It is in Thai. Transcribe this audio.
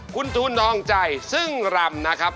คุณตูนนองใจซึ่งรำนะครับ